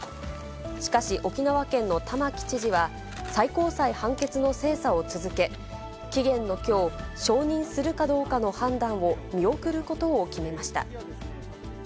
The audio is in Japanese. しかし、沖縄県の玉城知事は、最高裁判決の精査を続け、期限のきょう、承認するかどうかの判断を見送ることを決めました。